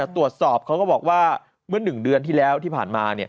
เขาก็บอกว่าเมื่อ๑เดือนที่แล้วที่ผ่านมา